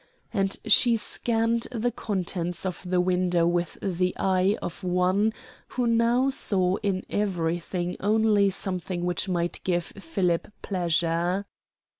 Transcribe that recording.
And she scanned the contents of the window with the eye of one who now saw in everything only something which might give Philip pleasure.